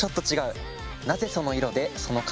なぜその色でその形なのか